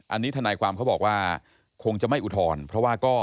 อันนี้ทนายความเขาบอกว่าคงจะไม่อุทธรณ์เพราะว่าก็